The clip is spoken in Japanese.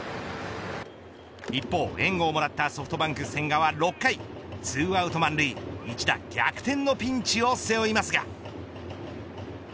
一方、援護をもらったソフトバンク千賀は６回２アウト満塁、一打逆転のピンチを背負いますが。